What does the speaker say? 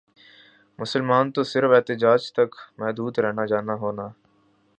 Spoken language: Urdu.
مسلمان تو صرف احتجاج تک محدود رہنا جانا ہونا